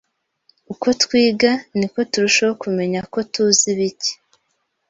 Uko twiga, niko turushaho kumenya ko tuzi bike.